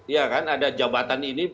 ya kan ada jabatan ini